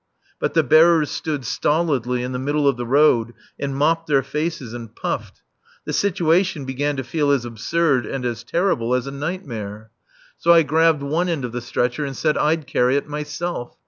But the bearers stood stolidly in the middle of the road and mopped their faces and puffed. The situation began to feel as absurd and as terrible as a nightmare. So I grabbed one end of the stretcher and said I'd carry it myself.